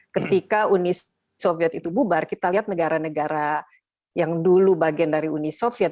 ketika uni soviet itu bubar kita lihat negara negara yang dulu bagian dari uni soviet